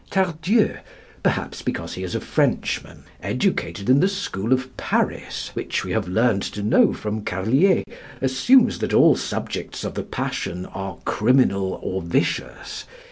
Tardieu, perhaps because he is a Frenchman, educated in the school of Paris, which we have learned to know from Carlier, assumes that all subjects of the passion are criminal or vicious.